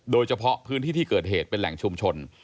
โดยเฉพาะพื้นที่ที่เกิดเหตุเป็นแหล่งชุมชน